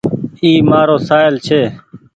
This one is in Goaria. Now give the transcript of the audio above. اي مآرو سآهيل ڇي